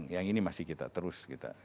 yang ini masih kita terus kita